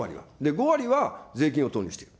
５割は税金を投入していく。